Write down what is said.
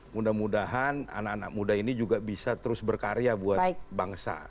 mudah mudahan anak anak muda ini juga bisa terus berkarya buat bangsa